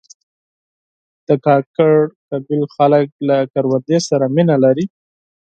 د کاکړ قوم خلک له کروندې سره مینه لري.